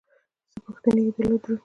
څه پوښتنې یې درلودې.